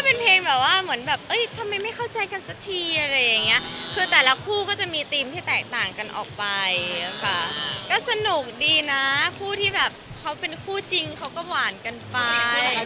เป็นเพลงแบบว่าเหมือนแบบเอ้ยทำไมไม่เข้าใจกันสักทีอะไรอย่างเงี้ยคือแต่ละคู่ก็จะมีธีมที่แตกต่างกันออกไปค่ะก็สนุกดีนะคู่ที่แบบเขาเป็นคู่จริงเขาก็หวานกันไป